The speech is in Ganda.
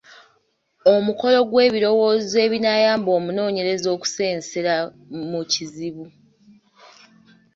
Omukolo gw’ebirowoozo ebinaayamba omunoonyereza okusensera mu kizibu.